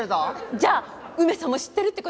じゃあ梅さんも知ってるって事？